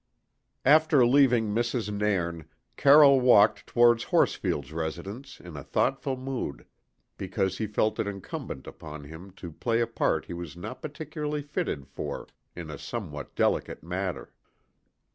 After leaving Mrs. Nairn, Carroll walked towards Horsfield's residence in a thoughtful mood, because he felt it incumbent upon him to play a part he was not particularly fitted for in a somewhat delicate matter.